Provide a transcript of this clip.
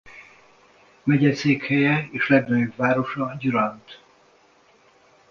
Megyeszékhelye és legnagyobb városa Durant.